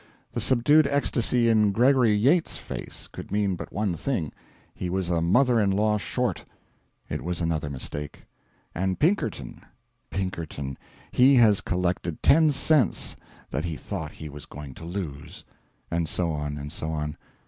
The subdued ecstasy in Gregory Yates's face could mean but one thing he was a mother in law short; it was another mistake. "And Pinkerton Pinkerton he has collected ten cents that he thought he was going to lose." And so on, and so on.